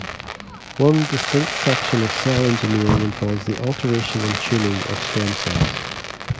One distinct section of cell engineering involves the alteration and tuning of stem cells.